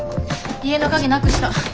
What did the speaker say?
家の鍵なくした。